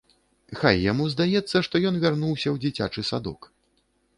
Хай яму здаецца, што ён вярнуўся ў дзіцячы садок.